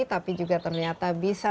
tapi juga ternyata bisa